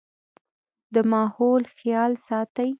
د ماحول خيال ساتئ